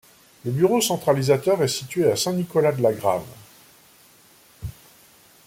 Le bureau centralisateur est situé à Saint-Nicolas-de-la-Grave.